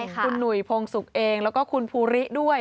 คุณหนุ่ยพงศุกร์เองแล้วก็คุณภูริด้วย